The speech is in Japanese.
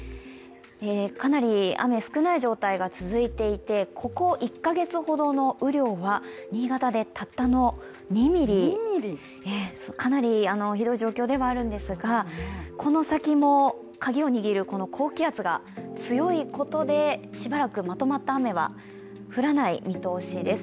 かなり雨少ない状態が続いていて、ここ１か月ほどの雨量は新潟でたったの２ミリかなりひどい状況ではあるんですがこの先もカギを握る高気圧が強いことでしばらくまとまった雨は降らない見通しです。